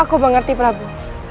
aku mengerti prabu